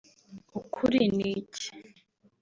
“Ukuri ni iki